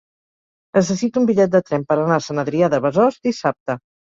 Necessito un bitllet de tren per anar a Sant Adrià de Besòs dissabte.